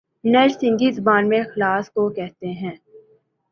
نج سندھی زبان میں خالص کوکہتے ہیں۔